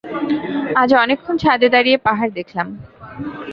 আজ অনেকক্ষণ ছাদে দাঁড়িয়ে পাহাড় দেখলাম।